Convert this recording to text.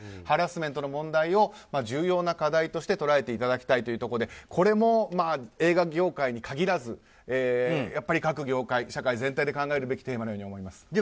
ハラスメントの問題を重要な課題として捉えていただきたいということでこれも、映画業界に限らずやっぱり各業界、社会全体で考えるべきテーマだと思います。